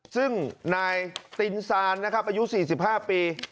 ซึ่งนายตินซานอายุ๔๕ปี